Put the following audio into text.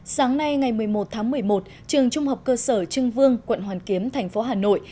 sáng nay ngày một mươi một tháng một mươi một trường trung học cơ sở trưng vương quận hoàn kiếm thành phố hà nội